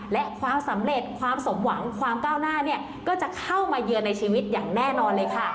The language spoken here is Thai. และความสำเร็จความสมหวังความก้าวหน้าเนี่ยก็จะเข้ามาเยือนในชีวิตอย่างแน่นอนเลยค่ะ